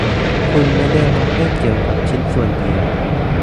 คุณไม่ได้ล้อเล่นเกี่ยวกับชิ้นส่วนเหยื่อ